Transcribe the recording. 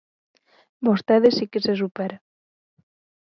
Vostede si que se supera.